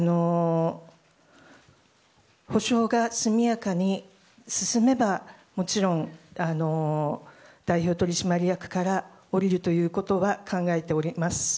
補償が速やかに進めばもちろん代表取締役から降りるということは考えております。